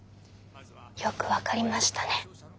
よく分かりましたね。